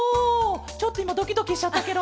ちょっといまドキドキしちゃったケロ。